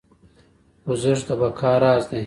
خوځښت د بقا راز دی.